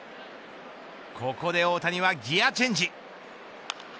ここで大谷はギアチェンジ。